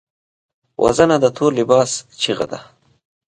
وژنه د تور لباس چیغه ده